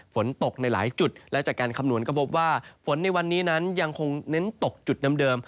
ฝนตกในหลายจุดและจากการคำนวณก็พบว่าฝนในวันนี้นั้นยังคงเน้นตกจุดเดิม